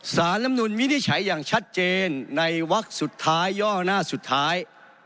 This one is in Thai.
ลำนุนวินิจฉัยอย่างชัดเจนในวักสุดท้ายย่อหน้าสุดท้าย